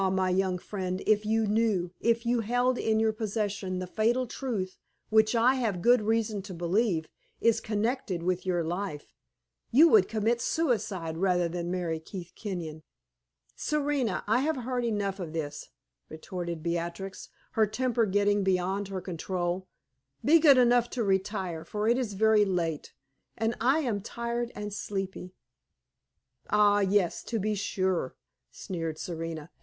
my young friend, if you knew, if you held in your possession the fatal truth which I have good reason to believe is connected with your life, you would commit suicide rather than marry Keith Kenyon." "Serena, I have heard enough of this," retorted Beatrix, her temper getting beyond her control. "Be good enough to retire; for it is very late, and I am tired and sleepy." "Ah, yes, to be sure!" sneered Serena.